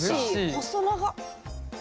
細長っ。